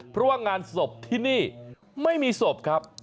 เพราะงานศพที่นี่ไม่มีศพ